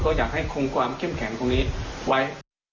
ก็อยากให้คงความเข้มแข็งตรงนี้ไว้